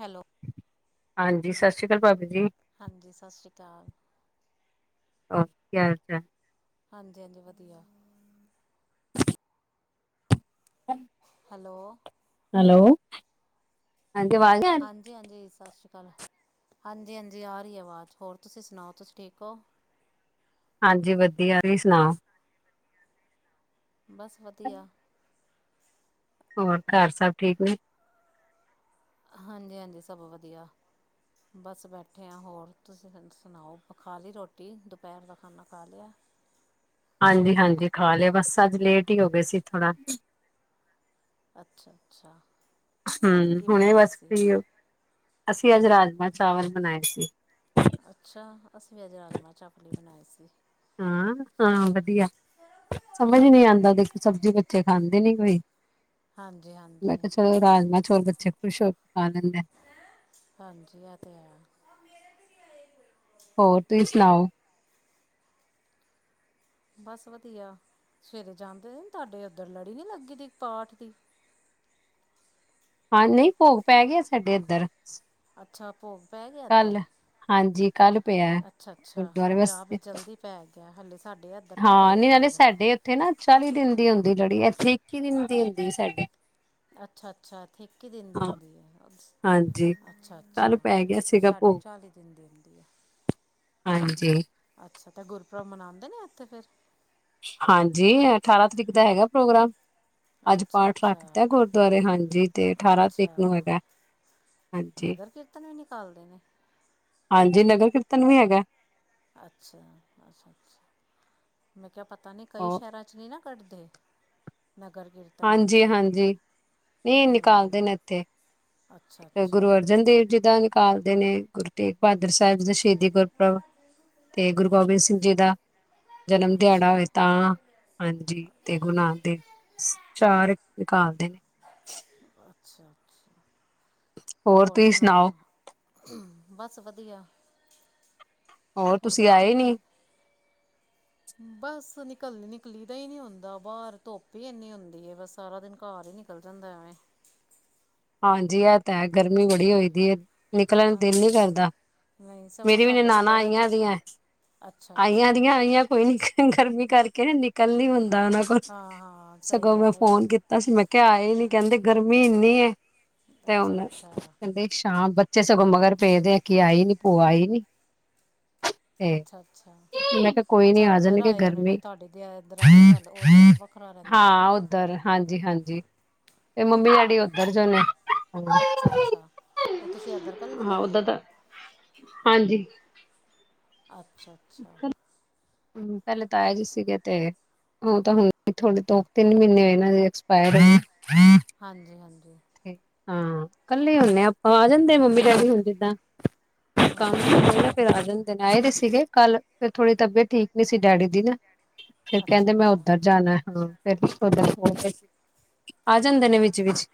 Hello ਹਾਂਜੀ, ਸਤਿ ਸ੍ਰੀ ਕਾਲ ਭਾਬੀ ਜੀ। ਹਾਂਜੀ, ਸਤਿ ਸ਼੍ਰੀ ਕਾਲ। ਹੋਰ, ਕੀ ਹਾਲ ਚਾਲ? ਹਾਂਜੀ-ਹਾਂਜੀ, ਵਦੀਆ। ਹੰ ਹਲੋ ਹੈਲੋ, ਹਾਂਜੀ ਅਵਾਜ ਨੀ ਆਰੀ? ਹਾਂਜੀ-ਹਾਂਜੀ, ਸਤਿ ਸ਼੍ਰੀ ਕਾਲ। ਹਾਂਜੀ-ਹਾਂਜੀ, ਆ ਰੀ ਏ ਅਵਾਜ। ਹੋਰ ਤੁਸੀਂ ਸੁਣਾਓ, ਤੁਸੀਂ ਠੀਕ ਹੋ? ਹਾਂਜੀ ਵਦੀਆ, ਤੁਸੀ ਸੁਣਾਓ ਬਸ, ਵਦੀਆ। ਹੋਰ, ਘਰ ਸਭ ਠੀਕ ਨੇ? ਹਾਂਜੀ-ਹਾਂਜੀ, ਸਭ ਵਦੀਆ। ਬਸ, ਬੈਠੇ ਹਾਂ, ਹੋਰ ਤੁਸੀਂ ਸੁਣਾਓ। ਖਾ ਲਈ ਰੋਟੀ, ਦੁਪੈਰ ਦਾ ਖਾਣਾ ਖਾ ਲਿਆ? ਹਾਂਜੀ-ਹਾਂਜੀ, ਖਾ ਲਿਆ। ਬਸ ਅੱਜ ਲੇਟ ਹੀ ਹੋ ਗਏ ਸੀ, ਥੋੜਾ। ਅੱਛਾ -ਅੱਛਾ, ਹੋਰ ਹਮ ਕੀ ਹੁਣੇ ਬਣਾਇਆ ਬਸ ਸੀ? ਫ੍ਰੀ ਹੋ, ਅਸੀਂ ਅੱਜ ਰਾਜਮਾ ਚਾਵਲ ਬਣਾਏ ਸੀ। ਅੱਛਾ, ਅਸੀਂ ਵੀ ਅੱਜ ਰਾਜਮਾਂ ਚਾਹਲ ਈ ਬਣਾਏ ਸੀ। ਹਾਂ-ਹਾਂ ਵਧੀਆ। ਸਮਝ ਨਹੀਂ ਆਂਦਾ ਦੇਖੋ ਸਬਜ਼ੀ ਬੱਚੇ ਖਾਂਦੇ ਨੀ ਕੋਈ। ਹਾਂਜੀ ਮੈਂ ਹਾਂਜੀ ਕਿਆ ਚਲੋ ਰਾਜਮਾਂ ਚੋਲ ਬੱਚੇ ਖੁਸ਼ ਹੋ ਕੇ ਖਾ ਲੈਂਦੇ ਐ। ਹਾਂਜੀ, ਆ ਤੇ ਹੈ। ਐ ਮੇਰੇ ਤੇ ਕੀ ਆਇਆ ਈ। ਹੋਰ, ਤੁਸੀਂ ਸੁਣਾਓ। ਬਸ ਵਧੀਆ, ਸਵੇਰੇ ਜਾਂਦੇ ਓ ਤੁਹਾਡੇ ਓਧਰ ਲੜੀ ਨੀ ਲੱਗਦੀ ਪਾਠ ਦੀ? ਹਾਂ, ਨਈ ਭੋਗ ਪੈ ਗਿਆ, ਸਾਡੇ ਇੱਧਰ। ਅੱਛਾ, ਭੋਗ ਪੈ ਗਿਆ, ਕੱਲ ਇੱਧਰ। ਹਾਂਜੀ ਕੱਲ ਪਿਆ ਅੱਛਾ-ਅੱਛਾ, ਗੁਰਦੁਆਰੇ ਵਾਸਤੇ ਪੰਜਾਬ ਇੱਚ ਜਲਦੀ ਪੈ ਗਿਆ। ਹਲੇ ਸਾਡੇ ਐਦਰ [unintelligible] ਫੇਰ ਭੋਗ। ਓਥੇ ਨਾ ਚਾਲੀ ਦਿਨ ਦੀ ਹੁੰਦੀ ਏ ਲੜੀ, ਐਥੇ ਇੱਕੀ ਦਿਨ ਦੀ ਹੁੰਦੀ ਏ, ਸਾਡੇ। ਅੱਛਾ-ਅੱਛਾ, ਐਥੇ ਇੱਕੀ ਦਿਨ ਦੀ ਹਾਂ ਹੁੰਦੀ ਹੈ, ਹਾਂਜੀ ਅੱਛਾ ਕੱਲ -ਅੱਛਾ। ਪੈ ਗਿਆ ਸੀਗਾ ਸਾਢੇ ਭੋਗ ਚਾਲੀ ਦਿਨ ਦੀ ਹੁੰਦੀ ਹੈ। ਹਾਂਜੀ ਅੱਛਾ ਤੇ ਗੁਰਪੁਰਬ ਮਨਾਦੇ ਨੇ ਐਥੇ ਫਿਰ ਹਾਂਜੀ ਅਠਾਰਾਂ ਤਰੀਕ ਦਾ ਹੈਗਾ ਪ੍ਰੋਗਰਾਮ। ਅੱਜ ਅੱਛਾ ਪਾਠ ਅੱਛਾ ਰੱਖਤਾ ਗੁਰਦੁਆਰੇ ਹਾਂਜੀ ਤੇ ਅਠਾਰਾਂ ਤਰੀਕ ਅੱਛਾ ਨੂੰ ਹੈਗਾ। ਹਾਂਜੀ ਨਗਰ ਕੀਰਤਨ ਵੀ ਨਿਕਾਲਦੇ ਨੇ ਹਾਂਜੀ ਨਗਰ ਕੀਰਤਨ ਵੀ ਹੈਗਾ। ਅੱਛਾ-ਅੱਛਾ-ਅੱਛਾ ਮੈਂ ਕੇਹਾ ਪਤਾ ਨੀ ਕਈ ਉਹ ਸ਼ਹਿਰਾਂ ਚ ਨੀ ਨਾ ਕੱਡਦੇ ਨਗਰ ਕੀਰ ਹਾਂਜੀ-ਹਾਂਜੀ ਨਹੀਂ ਨਿਕਾਲਦੇ ਹਮ ਨੇ ਐਥੇ। ਅੱਛਾ ਤੇ ਅੱਛਾ ਗੁਰੂ ਅਰਜਨ ਦੇਵ ਜੀ ਦਾਂ ਨਿਕਾਲਦੇ ਨੇ। ਬਹਾਦਰ ਸਾਹਿਬ ਦਾ ਸ਼ਹੀਦੀ ਗੁਰਪਰਬ। ਤੇ ਗੁਰੂ ਗੋਬਿੰਦ ਸਿੰਘ ਜੀ ਦਾ ਜਨਮ ਅੱਛਾ ਦਿਹਾੜਾ ਹੋਏ ਤਾਂ ਹਾਂਜੀ ਤੇ ਗੁਰੂ ਨਾਨਕ ਦੇਵ ਜੀ ਚਾਰ ਨਿਕਾਲਦੇ ਨੇ। ਅੱਛਾ-ਅੱਛਾ। ਹੋਰ ਸੁਣਾਓ ਬਸ ਵਧੀਆ। ਹੋਰ ਤੁਸੀਂ ਬੱਚੇ ਆਏ ਨੀ ਠੀਕ ਬਸ ਨਿਕਲ ਨਿਕਲੀ ਦਾ ਈ ਨੀ ਹੁੰਦਾ ਬਾਰ ਧੁੱਪ ਈ ਇਨੀ ਹੁੰਦੀ ਏ ਬਸ ਸਾਰਾ ਦਿਨ ਘਾਰ ਈ ਨੀ- ਨਿਕਲ ਜਾਂਦਾ ਐਵੇ। ਹਾਂਜੀ ਐ ਤਾਂ ਐ ਗਰਮੀ ਬੜੀ ਹੋਈ ਦੀ ਏ। ਨਿਕਲਣ ਦਿਲ ਹਾਂਜੀ ਨੀ ਕਰਦਾ ਨਹੀਂ ਸਗੋਂ ਮੇਰੀ ਵੀ ਸਾਡੇ ਨਨਾਣਾ ਉੱਧਰ ਅੱਜ ਆਈਆਂ ਦੀਆਂ। ਅੱਛਾ ਅੱਛਾ ਆਈਆਂ ਦੀਆਂ ਆਈਆਂ ਕੋਈ ਨੀ ਗਰਮੀ ਕਰਕੇ ਨਿਕਲ ਨੀ ਹੁੰਦਾ ਓਨਾਂ ਕੋਲ ਹਾਂ ਹਾਂ ਸਹੀ ਸਗੋਂ ਮੈਂ ਗੱਲ ਹੈ ਫੋਨ ਨਹੀਂ ਕੀਤਾ ਸੀ ਮੈਂ ਕੇਆ ਆਏ ਨੀ ਕਹਿੰਦੇ ਗਰਮੀ ਇੰਨੀ ਏ ਤੇ ਅੱਛਾ ਹੁਣ ਅੱਛਾ ਸ਼ਾਮ ਬੱਚੇ ਸਗੋਂ ਮਗਰ ਪੇਦੇ ਕਿ ਆਈ ਨੀ ਭੂਆ ਆਈ ਨੀ [unintelligible] ਮੈਂ ਕਿਹਾ ਕੋਈ ਨੀ ਅੱਛਾ-ਅੱਛਾ-ਅੱਛਾ ਆ ਉੱਧਰ ਜਾਣਗੇ ਆਏ ਹੋਣੇ ਗਰਮੀ ਨੇ ਤਿਡੀ ਦ ਦਰਾਣੀ ਵੱਲ ਉੱਧਰ ਵਖਰਾ ਰੈੰਦੀ ਏ ਨਾ। ਹਾਂਜੀ-ਹਾਂਜੀ ਤੇ ਮੰਮੀ-ਡੈਡੀ ਉੱਧਰ ਜੋ ਨੇ। ਅੱਛਾ-ਅੱਛਾ ਤੇ ਤੁਸੀਂ ਐਦਰ ਕੱਲੇ ਹਾਂ ਰੈੰਦੇ ਓਦਾਂ ਓ। ਤਾਂ ਹਾਂਜੀ। ਅੱਛਾ-ਅੱਛਾ। ਪੈਲੇ ਤਾਯਾ ਜੀ ਸੀਗੇ ਤੇ ਓ ਤਾਂ ਹੁਣ ਥੋੜੇ ਦੋ-ਤਿੰਨ ਮੀਨੇ ਹੋਏ ਨੇ ਹਜੇ ਐਕਸਪਾਯਰ‌ ਹੋਏ। ਹਾਂਜੀ-ਹਾਂਜੀ। ਹਾਂ ਕੱਲੇ ਹੁੰਣੇ ਆ। ਆ ਜਾਂਦੇ ਮੰਮੀ-ਡੈਡੀ ਹੁਣ ਜੀਦਾਂ ਕੰਮ ਹੂੰ ਫਿਰ ਆ ਜਾਂਦੇ ਨੇ ਆਏ ਦੇ ਸੀਗੇ ਕੱਲ੍ਹ। ਫਿਰ ਥੋੜ੍ਹੀ ਤਬੀਅਤ ਠੀਕ ਨੀ ਸੀ ਡੈਡੀ ਦੀ ਨਾ ਫਿਰ ਅੱਛਾ ਕੈੰਦੇ ਮੈਂ ਅੱਛਾ ਓਧਰ ਜਾਣਾ ਹਾਂ। ਫਿਰ ਤੁਸੀ ਓਧਰ ਪਹੂੰਚੇ ਆ ਜਾਂਦੇ ਨੇ ਅੱਛ ਵਿੱਚ-ਵਿੱਚ।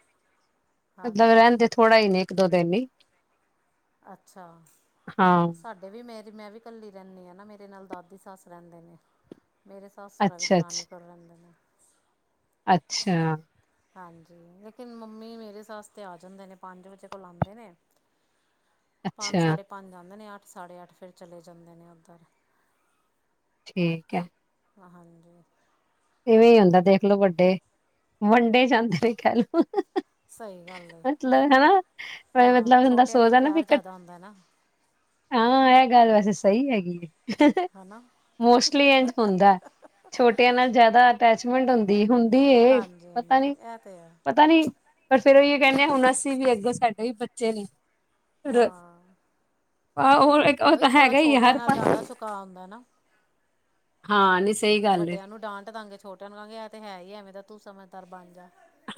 ਮਤਲਬ ਹਾਂਜੀ ਰਹਿੰਦੇ ਥੋੜਾ ਈ ਨੇ, ਇੱਕ-ਦੋ ਦਿਨ ਈ। ਅੱਛਾ ਸਾਡ ਵੀ ਮੇਰੀ ਮੈਂ ਵੀ ਕੱਲੀ ਰੈਣੀ ਆ ਨਾ। ਮੇਰੇ ਨਾਲ ਦਾਦੀ ਸੱਸ ਰੈੰਦੇ ਨੇ ਮੇਰੇ ਸਿਰ ਤੇ ਸੱਸ-ਸੋਰਾ ਵੀ ਅੱਛਾ, ਦਰਾਨੀ ਅੱਛਾ, ਕੋਲ ਰੈੰਦੇ ਨੇ। ਅੱਛਾ। ਹਾਂਜੀ, ਲੇਕਿਨ ਮੰਮੀ ਮੇਰੇ ਸੱਸ ਤੇ ਆ ਜਾਂਦੇ ਨੇ ਪੰਜ ਵਜੇ ਕੋਲ ਆਂਦੇ ਨੇ [inaudible] ਪੰਜ-ਸਾਢੇ ਪੰਜ ਆਂਦੇ ਨੇ, ਅੱਠ-ਸਾਡੇ ਅੱਠ ਫਿਰ ਚਲੇ ਜਾਂਦੇ ਨੇ ਓਧਰ। ਠੀਕ ਐ। ਹਾਂਜੀ ਇਵੇਂ ਹੀ ਹੁੰਦਾ ਦੇਖਲੋ ਵੱਡੇ ਵੰਡੇ ਜਾਂਦੇ ਵੀ ਕਹਿ ਲਓ, ਹ -ਹ, ਸਹੀ ਹ। ਗੱਲ ਹੈ ਮਤਲਬ ਹਨਾ ਮ ਹਾਂ ਮਤਲਬ ਬੰਦਾ ਛੋਟਿਆਂ ਨਾਲ ਸੋਚਦਾ ਨਾ ਵੀ ਪਿਆਰ ਕ ਜ਼ਿਆਦਾ ਹੁੰਦਾ ਨਾ ਹਾਂ ਇਹ ਗੱਲ ਵੈਸੇ ਸਹੀ ਹੈਗੀ ਹੈ, ਮੋਸਟਲੀ ਇੰਝ ਹੁੰਦਾ। ਛੋਟਿਆਂ ਨਾਲ ਜਾਦਾ ਅਟੈਚਮੈਂਟ ਹੁੰਦੀ ਏ ਹੁੰ। ਦੀ ਏ ਹਾਂਜੀ ਪਤਾ ਹਾਂਜੀ ਇਹ ਤੇ ਹੈ ਨੀ-ਪਤਾ ਨੀ ਪਰ ਫੇਰ ਉਹਿਓ ਕਹਿੰਨੇ ਹਾਂ ਹੁਣ ਅਸੀਂ ਵੀ ਅੱਗੇ ਸਾਡੇ ਵੀ ਬੱਚੇ ਨੇ ਫਿਰ ਹਾਂ ਆਹ ਉਹ ਇੱਕ ਉਹ ਤਾਂ ਹੈਗਾ ਹੀ ਆ ਹਰ ਪੰ ਤਾ ਆਉਂਦਾ ਨਾ। ਹਾਂ ਨੀ ਸਹੀ ਗੱਲ ਏ। ਵੱਡਿਆਂ ਨੂੰ ਡਾਂਟ ਦਾਂਗੇ ਛੋਟਿਆਂ ਨੂੰ ਕਹਾਂਗੇ ਕਿ ਇਹ ਹੈ ਹੀ ਐਵੇਂ ਦਾ ਤੂੰ ਸਮਝਦਾਰ ਬਣ ਜਾ।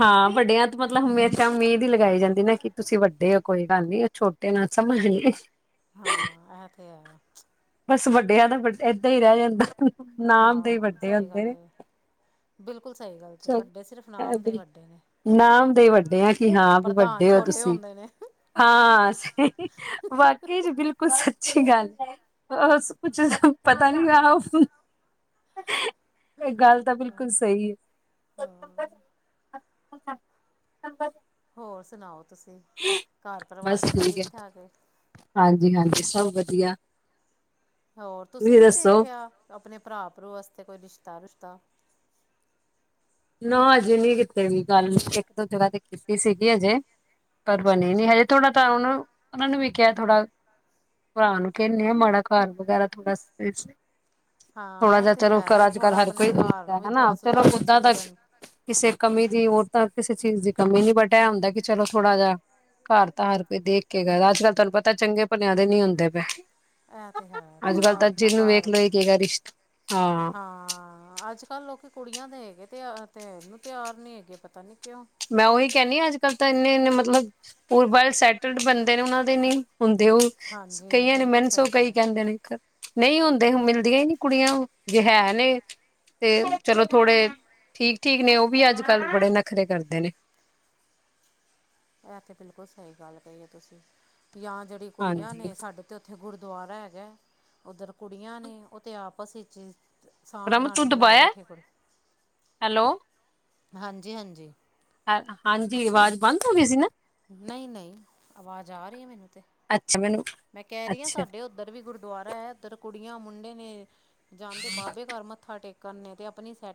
ਹਾਂ ਵੱਡਿਆਂ ਤੋਂ ਮਤਲਬ ਹਮੇਸ਼ਾ ਉਮੀਦ ਹੀ ਲਗਾਈ ਜਾਂਦੀ ਨਾ ਕਿ ਤੁਸੀਂ ਵੱਡੇ ਹੋ ਕੋਈ ਗੱਲ ਨੀ। ਛੋਟੇ ਨਾਲ ਸਮਝ ਨੀ ਏ। ਹਾਂ, ਇਹ ਤੇ ਹੈ। ਬਸ ਵੱਡਿਆਂ ਦਾ ਏਦਾਂ ਹੀ ਰਹਿ ਜਾਂਦਾ। ਨਾਮ ਦੇ ਹੀ ਹਾਂ, ਵੱਡੇ ਸਹੀ ਹੁੰਦੇ ਨੇ ਗੱਲ ਬਿਲਕੁਲ ਸਹੀ ਗੱਲ ਜੇ ਵੱਡੇ ਸਿਰਫ ਨਾਮ ਦੇ ਵੱਡੇ ਨੇ। ਨਾਮ ਦੇ ਹੀ ਵੱਡੇ ਆ ਕਿ ਹਾਂ ਵੀ ਪ੍ਰਧਾਨ ਵੱਡੇ ਹੋ ਛੋਟੇ ਤੁਸੀਂ। ਹੁੰਦੇ ਨੇ ਹਾਂ ਸਈ ਵਾਕੇਈ ਚ ਬਿਲਕੁਲ ਸੱਚੀ ਗੱਲ ਬਸ ਕੁਛ ਪਤਾ ਨਹੀ [unintelligible] ਉਸਨੂੰ ਇਹ ਗੱਲ ਤਾਂ ਬਿਲਕੁਲ ਸਹੀ ਹੈ। ਹਾਂ [inaudible] ਹੋਰ ਸੁਣਾਓ ਤੁਸੀਂ? ਘਰ ਬਸ ਪਰਿਵਾਰ ਸਭ ਠੀਕ ਹੈ ਠਾਕ ਹਾਂਜੀ-ਹਾਂਜੀ ਸਭ ਵਧੀਆ। ਹੋਰ ਤੁਸੀਂ ਨੀ ਦੇਖਿਆ ਆਪਣੇ ਭਰਾ-ਭਰੂ ਵਾਸਤੇ ਕੋਈ ਰਿਸ਼ਤਾ- ਰੁਸ਼ਤਾ? ਨਾ ਅਜੇ ਨਹੀਂ ਕਿਤੇ ਕੋਈ ਗੱਲ ਇੱਕ-ਦੋ ਜਗ੍ਹਾ ਤੇ ਕੀਤੀ ਸੀਗੀ ਹਜੇ। ਪਰ ਅੱਛਾ ਬਣੀ ਨੀ ਅੱਛਾ ਹਜੇ ਥੋੜਾ ਤਾਂ ਉਹਨੂੰ ਉਹਨਾਂ ਨੂੰ ਵੀ ਕਿਹਾ ਥੋੜਾ ਭਰਾ ਨੂੰ ਕਹਿੰਨੀ ਆ ਮਾੜਾ ਘਰ ਵਗੈਰਾ ਥੋੜਾ ਥੋੜਾ ਹਾਂ ਇਹ ਜਿਹਾ ਤੇ ਚਲੋ ਘਰ ਹੈ ਥੋੜ੍ਹਾ ਅੱਜ-ਕੱਲ੍ਹ ਹਰ ਆਪਣੇ ਕੋਈ ਘਰ ਦੇਖਦਾ ਨੂੰ ਵੀ ਹਨਾ ਥੋੜ੍ਹਾ ਸੁਧਾਰਨ ਉਦਾ ਦਾ ਸੁਧਰਨ ਕਿਸੇ ਕਮੀ ਦੀ, ਹੋ ਤਾਂ ਕਿਸੇ ਚੀਜ਼ ਦੀ ਕਮੀ ਨੀ ਬਟ ਇਹ ਹੁੰਦਾ ਕਿ ਚਲੋ ਥੋੜਾ ਜਿਹਾ ਘਰ ਤਾਂ ਹਰ ਕੋਈ ਦੇਖ ਕੇ ਕਰਦਾ ਅੱਜ-ਕੱਲ ਤੁਹਾਨੂੰ ਪਤਾ ਚੰਗੇ ਭਲਿਆ ਦੇ ਨੀ ਹੁੰਦੇ ਪਏ। ਇਹ ਤੇ ਹੈ ਅੱਜ ਥੋੜ੍ਹਾ ਕੱਲ੍ਹ ਤਾਂ ਆਪਣਾ ਜਿਹਨੂੰ ਘਰ ਵੇਖ ਲਓ ਇਹ ਕਹੇਗਾ ਰਿਸ਼ਤਾ ਹਾਂ ਹਾਂ ਅੱਜ ਕੱਲ ਲੋਕੀ ਕੁੜੀਆਂ ਦੇ ਕੇ ਤੇ ਆਰ ਦੇਣ ਨੂੰ ਤਿਆਰ ਨੀ ਹੈਗੇ ਪਤਾ ਨੀ ਕਿਉਂ? ਮੈਂ ਉਹੀ ਕਹਿੰਦੀ ਹਾਂ ਅੱਜ-ਕੱਲ੍ਹ ਤਾਂ ਇੰਨੇ-ਇੰਨੇ ਮਤਲਬ ਪ੍ਰੋਪਰ ਸੈਟਲਡ ਬੰਦੇ ਨੇ ਉਹਨਾਂ ਦੇ ਨੀ ਹੁੰਦੇ ਉਹ ਹਾਂਜੀ ਕਈਆਂ ਨੇ ਬਿਲਕੁਲ ਮੈਨੂੰ ਸਗੋਂ ਸਹੀ ਮੈਨੂੰ ਕਈ ਕਿਹਾ ਜੀ ਕਹਿੰਦੇ ਨੇ ਨਈ ਹੁੰਦੇ ਮਿਲਦੀਆਂ ਹੀ ਨੀ ਕੁੜੀਆ ਜੇ ਹੈ ਨੇ ਤੇ ਚਲੋ ਥੋੜੇ ਠੀਕ-ਠੀਕ ਨੇ ਉਹ ਵੀ ਅੱਜ ਕੱਲ ਬੜੇ ਨਖਰੇ ਕਰਦੇ ਨੇ। ਇਹ ਤੇੇ ਬਿਲਕੁਲ ਸਹੀ ਗੱਲ ਕਹੀ ਹੈ ਤੁਸੀ ਯਾ ਜਿਹੜੀ ਕੁੜੀਆਂ ਹਾਂਜੀ ਨੇ ਸਾਡੇ ਤੇ ਉੱਥੇ ਗੁਰਦੁਆਰਾ ਹੈਗਾ ਉੱਧਰ ਕੁੜੀਆਂ ਨੇ ਉਹ ਤੇ ਆਪਸ ਵਿੱਚ ਈ ਰਮ ਸਾਂਠ-ਗਾਂਠ ਤੂੰ ਮਿਲਾਈ ਦਬਾਇਆ ਬੈਠੀ ਕੁੜੀ, ਹੈਲੋ ਹਾਂਜੀ-ਹਾਂਜੀ। ਹਾਂਜੀ, ਆਵਾਜ਼ ਬੰਦ ਹੋ ਗਈ ਸੀ ਨਾ। ਨਈ-ਨਈ ਆਵਾਜ਼ ਆ ਰਹੀ ਹੈ ਮੈਨੂੰ ਤੇ, ਅੱਛਾ ਮੈਨੂੰ ਮੈਂ ਕਹ ਰਹੀ ਹਾਂ ਅੱਛਾ ਸਾਡੇ ਉ ਏਧਰ ਵੀ ਗੁਰਦੁਆਰਾ ਹੈ ਏਧਰ ਕੁੜੀਆਂ ਮੁੰਡੇ ਨੇ ਜਾਂਦੇ ਬਾਬੇ ਘਰ ਮੱਥਾ ਟੇਕ ਨ ਤੇ ਆਪਣੀ ਸੈਟ